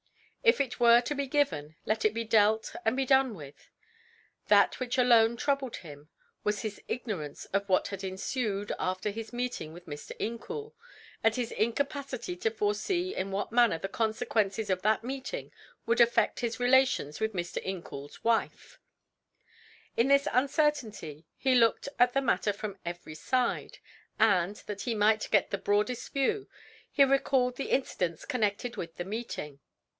If it were to be given, let it be dealt and be done with; that which alone troubled him was his ignorance of what had ensued after his meeting with Mr. Incoul, and his incapacity to foresee in what manner the consequences of that meeting would affect his relations with Mr. Incoul's wife. In this uncertainty he looked at the matter from every side, and, that he might get the broadest view, he recalled the incidents connected with the meeting.